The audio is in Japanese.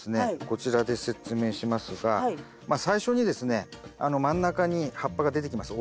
こちらで説明しますがまあ最初にですねあの真ん中に葉っぱが出てきます。